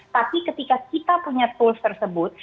tapi ketika kita punya tools tersebut